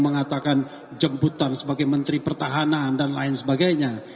mengatakan jemputan sebagai menteri pertahanan dan lain sebagainya